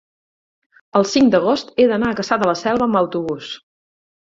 el cinc d'agost he d'anar a Cassà de la Selva amb autobús.